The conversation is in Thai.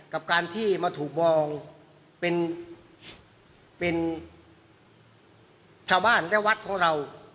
กับการที่มาถูกมองเป็นชาวบ้านและวัดของเรา